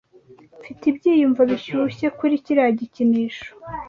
Mfite ibyiyumvo bishyushye kuri kiriya gikinisho.